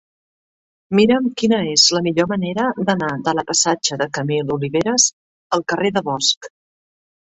Mira'm quina és la millor manera d'anar de la passatge de Camil Oliveras al carrer de Bosch.